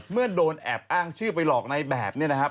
โดนแอบอ้างชื่อไปหลอกในแบบนี้นะครับ